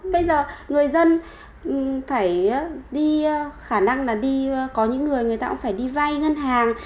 bây giờ người dân phải đi khả năng là đi có những người người ta cũng phải đi vay ngân hàng